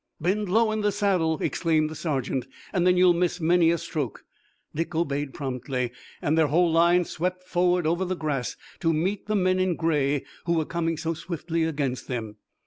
"Bend low in the saddle," exclaimed the sergeant, "and then you'll miss many a stroke!" Dick obeyed promptly and their whole line swept forward over the grass to meet the men in gray who were coming so swiftly against them.